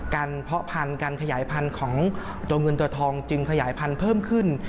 เพาะพันธุ์การขยายพันธุ์ของตัวเงินตัวทองจึงขยายพันธุ์เพิ่มขึ้น